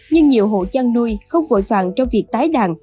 nhưng nhiều hộ chăn nuôi không vội vàng trong việc tái đàn